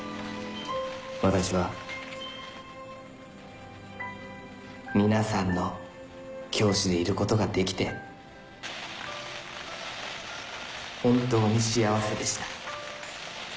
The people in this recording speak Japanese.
私は皆さんの教師でいることができて本当に幸せでした